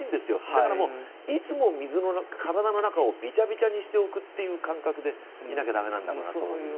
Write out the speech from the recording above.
だから、いつも体の中をびちゃびちゃにしておくという感覚でいないといけないんじゃないかなと。